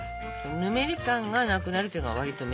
ぬめり感がなくなるっていうのが割と目安です。